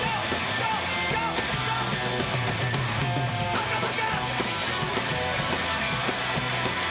赤坂！